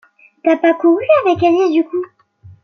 T'as pas couru avec Alice du coup ?